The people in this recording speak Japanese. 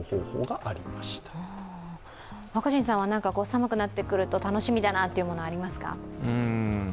寒くなってくると楽しみだなというもの、ありますか？